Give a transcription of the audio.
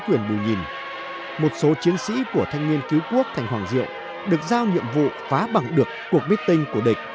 khi đó chiến sĩ của thanh niên cứu quốc thành hoàng diệu được giao nhiệm vụ phá bằng được cuộc bít tinh của địch